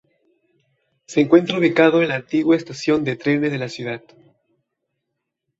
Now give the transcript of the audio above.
Se encuentra ubicado en la antigua estación de trenes de la ciudad.